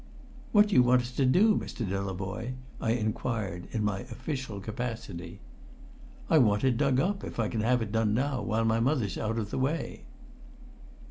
"What do you want us to do, Mr. Delavoye?" I inquired in my official capacity. "I want it dug up, if I can have it done now, while my mother's out of the way."